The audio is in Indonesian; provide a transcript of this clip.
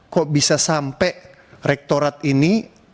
kok bisa sampai rektorat ini